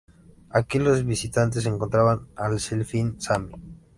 Aquí, los visitantes encontraban al delfín Sammy.